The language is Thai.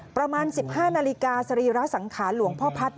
ประมาณ๑๕นาฬิกาสรีระสังขารหลวงพ่อพัฒน์